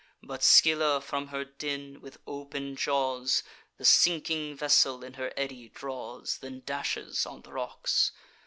But Scylla from her den, with open jaws, The sinking vessel in her eddy draws, Then dashes on the rocks.